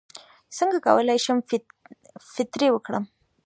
څنګه کولی شم فطرې ورکړم